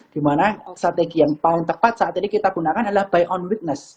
di mana strategi yang paling tepat saat ini kita gunakan adalah buy on weakness